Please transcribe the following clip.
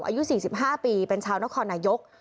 อายุ๔๕ปีเป็นชาวนครนายก